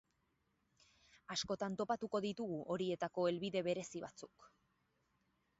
Askotan topatuko ditugu horietako helbide berezi batzuk.